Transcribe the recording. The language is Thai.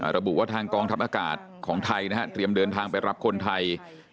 ระบุว่าทางกองทัพอากาศของไทยนะฮะเตรียมเดินทางไปรับคนไทย